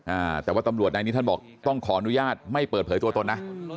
อ่าแต่ว่าตำรวจนายนี้ท่านบอกต้องขออนุญาตไม่เปิดเผยตัวตนนะ